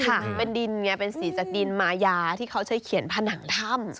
เป็นดินไงเป็นสีจากดินมายาที่เขาใช้เขียนผนังถ้ำ